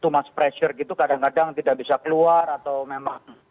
mas pressure gitu kadang kadang tidak bisa keluar atau memang